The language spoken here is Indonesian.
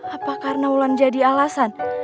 apa karena wulan jadi alasan